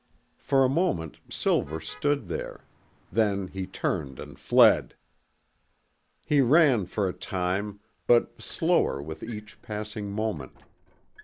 For a moment Silver stood there, then he turned and fled. He ran for a time, but slower with each passing moment.